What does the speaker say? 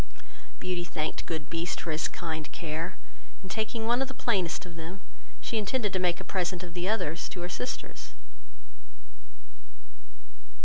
Beauty thanked good Beast for his kind care, and taking one of the plainest of them, she intended to make a present of the others to her sisters.